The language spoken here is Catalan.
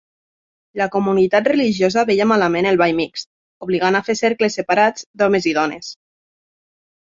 La comunitat religiosa veia malament el ball mixt, obligant a fer cercles separats d'homes i dones.